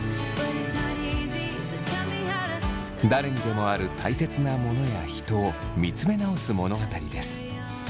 誰にでもあるたいせつなモノや人を見つめ直す物語です。